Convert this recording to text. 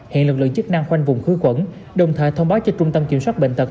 hiện lực lượng chức năng khoanh vùng khử khuẩn đồng thời thông báo cho trung tâm kiểm soát bệnh tật